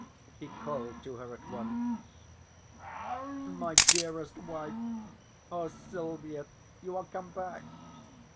He called to her at once. "My dearest wife! Oh, Silvia! You are come back!"